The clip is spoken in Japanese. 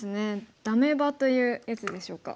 ダメ場というやつでしょうか。